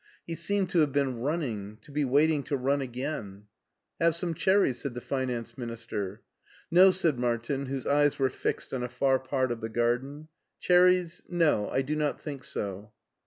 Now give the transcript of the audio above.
He seemed to have been running — ^to be waiting to run again. Have some cherries,'* said the finance minister. No," said Martin, whose eyes were fixed on a far part of the garden, "cherries — ^no, I do not think so."